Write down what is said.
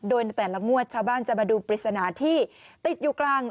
โดยในแต่ละงวดชาวบ้านจะมาดูปริศนาที่ติดอยู่กลาง